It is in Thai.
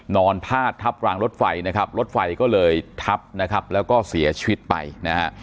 พาดทับรางรถไฟนะครับรถไฟก็เลยทับนะครับแล้วก็เสียชีวิตไปนะฮะ